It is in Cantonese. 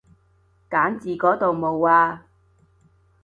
揀字嗰度冇啊